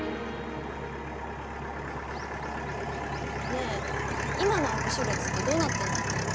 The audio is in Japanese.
ねぇ今の握手列ってどうなってんだっけ？